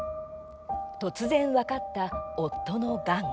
突然、分かった夫のがん。